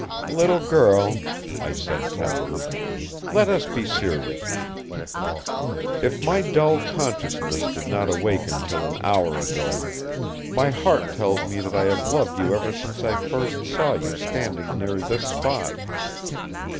"Little girl," I said tenderly, "let us be serious. If my dull consciousness did not awaken till an hour ago, my heart tells me that I have loved you ever since I first saw you standing near this spot.